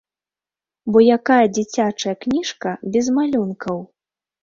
Бо якая дзіцячая кніжка без малюнкаў?